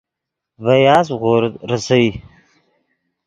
ڤے یاسپ غورد ریسئے